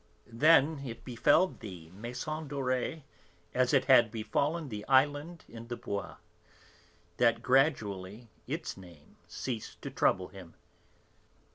Then it befell the Maison Dorée, as it had befallen the Island in the Bois, that gradually its name ceased to trouble him.